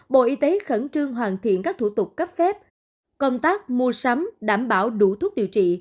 bộ y tế khẩn trương hoàn thiện các thủ tục cấp phép công tác mua sắm đảm bảo đủ thuốc điều trị